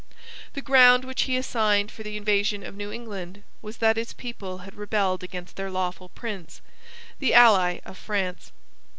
The ground which he assigned for the invasion of New England was that its people had rebelled against their lawful prince, the ally of France.